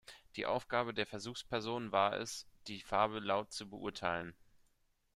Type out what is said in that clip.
Die Aufgabe der Versuchspersonen war es, die Farbe laut zu beurteilen.